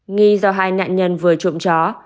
nghi do hai nạn nhân vừa trộm chó